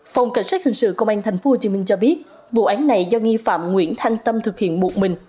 phòng cảnh sát hình sự công an tp hcm cho biết vụ án này do nghi phạm nguyễn thanh tâm thực hiện một mình